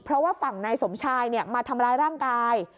เพราะว่าฝั่งนายสมชายมาทำร้ายร่างกาย